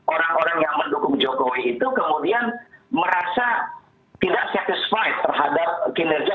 orang orang yang mendukung jokowi itu kemudian merasa tidak septis fight terhadap kinerja